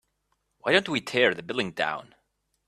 why don't we tear the building down?